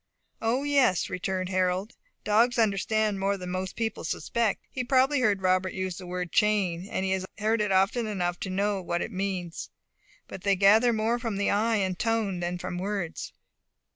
"O, yes," returned Harold; "dogs understand more than most people suspect. He probably heard Robert use the word 'chain'; and he has heard it often enough to know what it means. But they gather more from the eye and tone than from words.